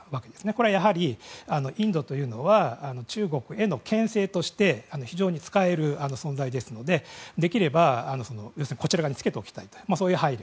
これはやはり、インドというのは中国へのけん制として非常に使える存在ですのでできれば、こちら側につけておきたいというそういう配慮